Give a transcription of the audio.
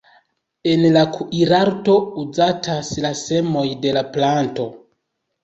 En la kuirarto uzatas la semoj de la planto.